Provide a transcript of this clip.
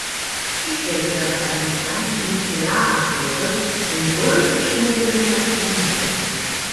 Ich denke dabei an die Transnuclear-Affäre, den größten Schmuggel mit Atommüll.